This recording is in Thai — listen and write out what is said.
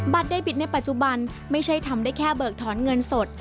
เดบิตในปัจจุบันไม่ใช่ทำได้แค่เบิกถอนเงินสด